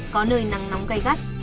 có nơi nắng nóng gây gắt